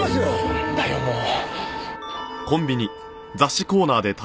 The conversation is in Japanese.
なんだよもう。